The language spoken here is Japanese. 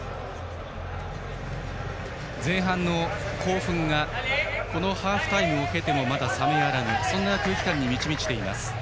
前半の興奮がこのハーフタイムを経てもまだ冷めやらぬそんな空気感に満ち満ちています。